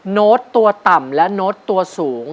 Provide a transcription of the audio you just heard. โน้ตตัวต่ำและโน้ตตัวสูง